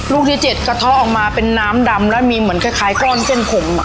ลูกที่เจ็ดกระท่ออกมาเป็นน้ำดำและมีเหมือนคล้ายคล้ายก้อนเส้นผงอ่ะ